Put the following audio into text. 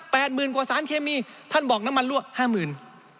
หมื่นกว่าสารเคมีท่านบอกน้ำมันรั่วห้าหมื่น